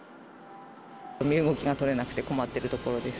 身動きが取れなくて、困っているところです。